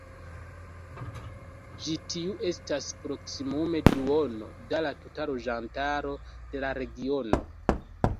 Ĉi tiu estas proksimume duono da la tuta loĝantaro de la regiono.